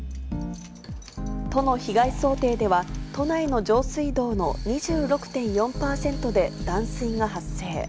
都の被害想定では、都内の上水道の２６．４％で断水が発生。